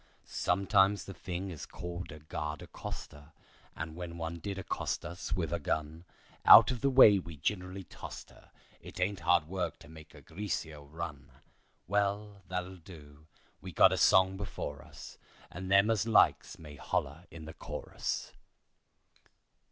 Sometimes the thing is called a guard accoster, And when one did accost us with a gun, Out of the way we ginerally tost her; It ain't hard work to make a greaser run. Well, that'll do. We got a song before us, And them as likes may holler in the chorus."